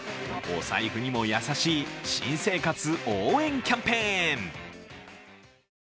お財布にも優しい新生活応援キャンペーン。